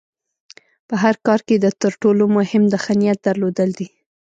په هر کار کې د تر ټولو مهم د ښۀ نیت درلودل دي.